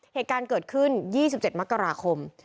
เหตุการณ์เกิดขึ้น๒๗มกราคม